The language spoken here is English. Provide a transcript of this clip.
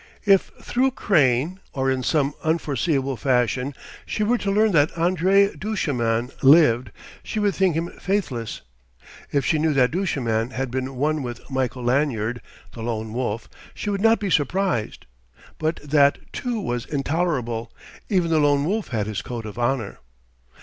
If through Crane or in some unforseeable fashion she were to learn that André Duchemin lived, she would think him faithless. If she knew that Duchemin had been one with Michael Lanyard, the Lone Wolf, she would not be surprised. But that, too, was intolerable; even the Lone Wolf had his code of honour.